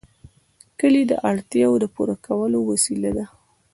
کلي د اړتیاوو د پوره کولو وسیله ده.